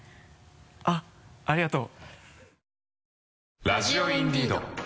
あっありがとう。